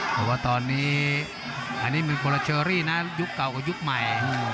เพราะว่าตอนนี้อันนี้มันโคลาเชอรี่นะยุคเก่ากับยุคใหม่